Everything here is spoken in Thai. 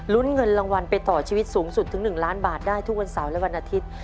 เงินรางวัลไปต่อชีวิตสูงสุดถึง๑ล้านบาทได้ทุกวันเสาร์และวันอาทิตย์